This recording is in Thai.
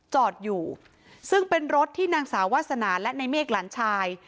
จอดอยู่ซึ่งเป็นรถที่นางสาววาสนาและในเมฆหลานชาย